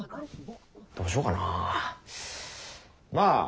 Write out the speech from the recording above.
どうしようかなまあ